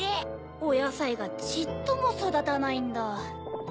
おやさいがちっともそだたないんだ。